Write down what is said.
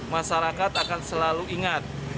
masyarakat akan selalu ingat